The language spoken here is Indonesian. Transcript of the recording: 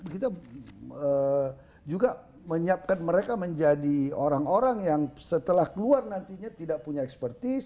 kita juga menyiapkan mereka menjadi orang orang yang setelah keluar nantinya tidak punya ekspertis